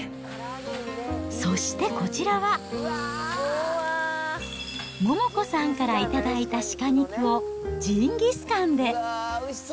そしてこちらは、桃子さんから頂いた鹿肉をジンギスカンで。